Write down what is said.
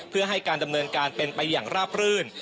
เพื่อให้การดำเนินการเป็นไปอย่างราบรื่น